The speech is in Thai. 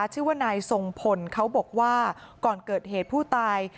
ชื่อว่านายทรงพลเขาบอกว่าก่อนเกิดเหตุผู้ตาย